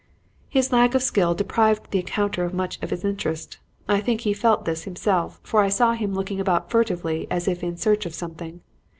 "His lack of skill deprived the encounter of much of its interest. I think he felt this himself, for I saw him looking about furtively as if in search of something.